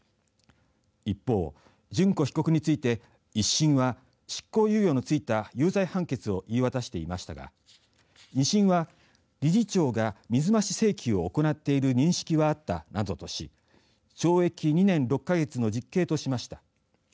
一方、諄子被告について１審は執行猶予のついた有罪判決を言い渡していましたが２審は理事長が水増し請求を行っている認識はあったなどとし懲役２年６か月の実刑としました。